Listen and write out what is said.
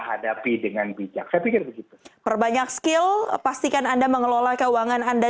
hadapi dengan bijak saya pikir begitu perbanyak skill pastikan anda mengelola keuangan anda